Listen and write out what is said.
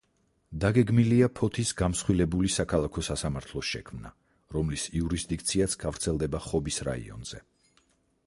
დაგეგმილია ფოთის გამსხვილებული საქალაქო სასამართლოს შექმნა, რომლის იურისდიქციაც გავრცელდება ხობის რაიონზე.